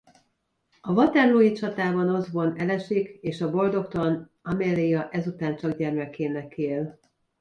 A waterlooi csatában Osborne elesik és a boldogtalan Amelia ezután csak gyermekének él.